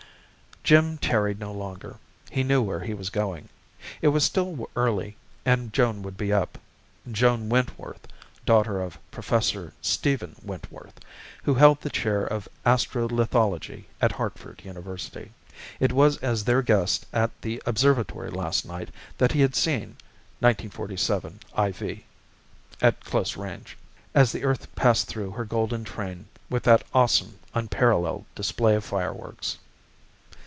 Jim tarried no longer. He knew where he was going. It was still early and Joan would be up Joan Wentworth, daughter of Professor Stephen Wentworth, who held the chair of astro lithology at Hartford University. It was as their guest at the observatory last night that he had seen 1947, IV at close range, as the earth passed through her golden train with that awesome, unparalleled display of fireworks.